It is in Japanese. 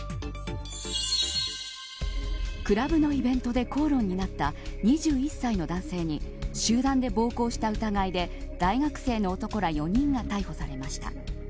クラブのイベントで口論になった２１歳の男性に集団で暴行した疑いで大学生の男ら４人が逮捕されました。